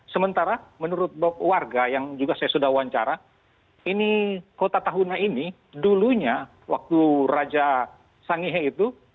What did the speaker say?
sementara menurut warga yang juga saya sudah wawancara ini kota tahuna ini dulunya waktu raja sangihe itu